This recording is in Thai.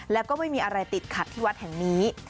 แล้วก็ไม่มีอะไรติดขัดที่วัดแห่งนี้